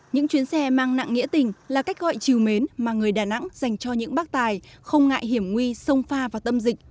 những chuyến xe mang nặng nghĩa tình là cách gọi chiều mến mà người đà nẵng dành cho những bác tài không ngại hiểm nguy sông pha và tâm dịch